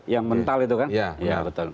yang mental itu kan